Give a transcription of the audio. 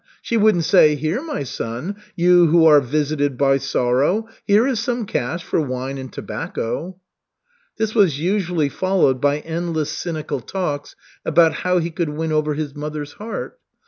She wouldn't say: 'Here, my son, you who are visited by sorrow, here is some cash for wine and tobacco.'" This was usually followed by endless cynical talks about how he could win over his mother's heart.